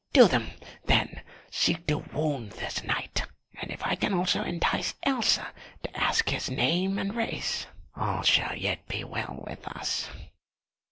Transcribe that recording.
Do them, then, seek to wound this Knight, and if I can also entice Elsa to ask his name and race, all shall yet be well with us."